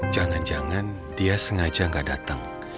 jangan jangan dia sengaja gak datang